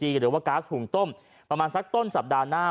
หรือว่าก๊าซหุงต้มประมาณสักต้นสัปดาห์หน้า